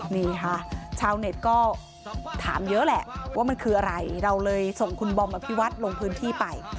นี่ค่ะชาวเน็ตก็ถามเยอะแหละว่ามันคืออะไรเราเลยส่งคุณบอมอภิวัตรลงพื้นที่ไป